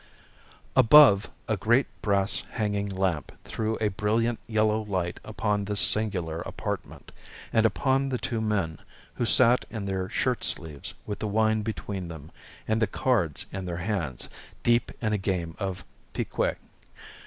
Above, a great brass hanging lamp threw a brilliant yellow light upon this singular apartment, and upon the two men who sat in their shirt sleeves with the wine between them, and the cards in their hands, deep in a game of piquet.